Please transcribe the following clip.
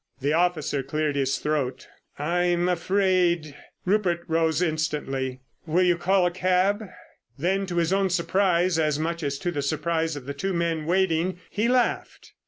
The officer cleared his throat. "I'm afraid——" Rupert rose instantly. "Will you call a cab?" Then, to his own surprise, as much as to the surprise of the two men waiting, he laughed.